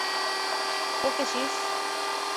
ওকে, chief.